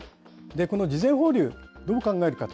この事前放流、どう考えるかと。